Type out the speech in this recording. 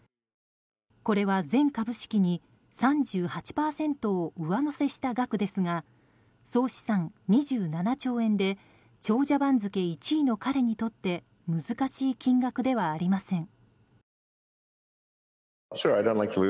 これは全株式に３８％を上乗せした額ですが総資産２７兆円で長者番付１位の彼にとって難しい金額ではありません。